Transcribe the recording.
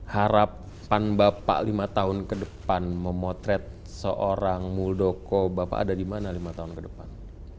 harapan bapak lima tahun ke depan memotret seorang muldoko bapak ada di mana lima tahun ke depan